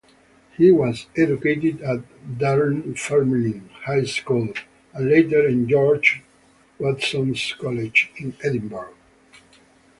He was educated at Dunfermline High School and later, George Watson's College in Edinburgh.